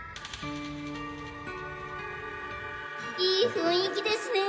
いい雰囲気ですね。